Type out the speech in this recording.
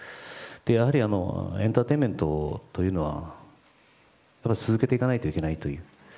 やはり、エンターテインメントというのは続けていかなければいけないと。